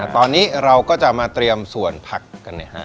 ตอนนี้เราก็จะมาเตรียมส่วนผักกัน